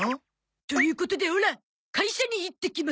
ということでオラ会社に行ってきます。